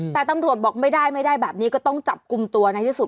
แต่ตำรวจบอกไม่ได้ไม่ได้แบบนี้ก็ต้องจับกลุ่มตัวในที่สุด